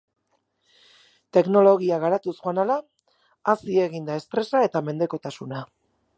Teknologia garatuz joan ahala, hazi egin da estresa eta mendekotasuna.